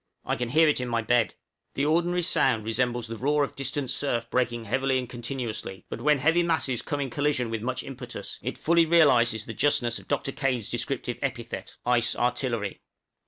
I can hear it in my bed. The ordinary sound resembles the roar of distant surf breaking heavily and continuously; but when heavy masses come in collision with much impetus, it fully realizes the justness of Dr. Kane's descriptive epithet, "ice artillery."